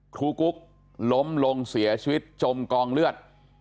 กุ๊กล้มลงเสียชีวิตจมกองเลือด